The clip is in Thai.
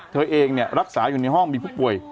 เธอเองรักษาอยู่ในห้องมีผู้ป่วย